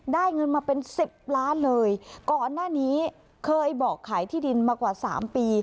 เงินมาเป็นสิบล้านเลยก่อนหน้านี้เคยบอกขายที่ดินมากว่าสามปี